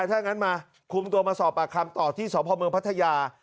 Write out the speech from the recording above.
ถ้างั้นมาคุมตัวมาสอบปากคำต่อที่สพเมืองพัทยา